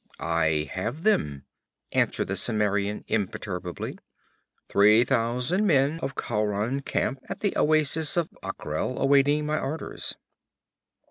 'I have them,' answered the Cimmerian imperturbably. 'Three thousand men of Khauran camp at the oasis of Akrel awaiting my orders.'